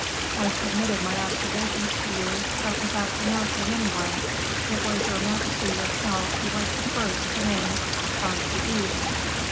I submitted my observations to you, but without denouncing any one. It was your majesty yourself who was the first to name the Comte de Guiche."